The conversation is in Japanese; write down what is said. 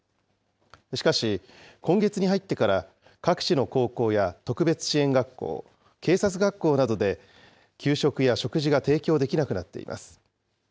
しかし、今月に入ってから各地の高校や特別支援学校、警察学校などで、給食や食事が提供できなくなっています。